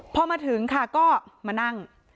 พอมาถึงค่ะก็มานั่ง